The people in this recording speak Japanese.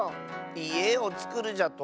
いえをつくるじゃと？